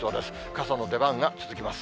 傘の出番が続きます。